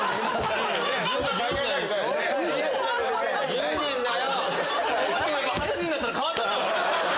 １０年だよ！